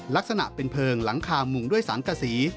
ลักษณะเป็นเพลิงหลังคามุงด้วยสังกษี